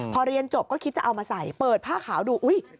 พอเรียนจบก็คิดจะเอามาใส่เปิดผ้าขาวดูอุ๊ย